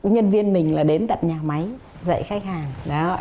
nhân viên mình là đến tận nhà máy dạy khách hàng